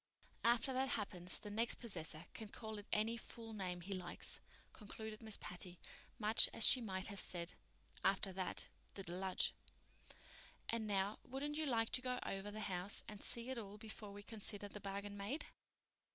After that happens the next possessor can call it any fool name he likes," concluded Miss Patty, much as she might have said, "After that—the deluge." "And now, wouldn't you like to go over the house and see it all before we consider the bargain made?"